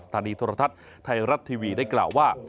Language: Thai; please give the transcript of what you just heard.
สถานีธรรมทัศน์ไทยรัฐทีวีได้กล่าวว่า